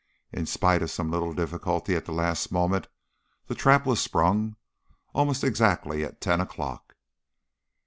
In spite of some little difficulty at the last moment, the trap was sprung almost exactly at ten o'clock.